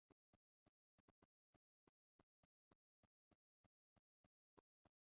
Mu , Angola yabaye igihugu cyigenga.